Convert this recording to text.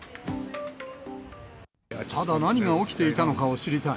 ただ、何が起きていたのかを知りたい。